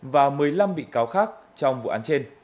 và một mươi năm bị cáo khác trong vụ án trên